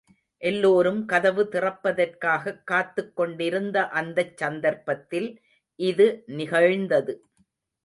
எல்லோரும் கதவு திறப்பதற்காகக் காத்துக் கொண்டிருந்த அந்தச் சந்தர்ப்பத்தில் இது நிகழ்ந்தது.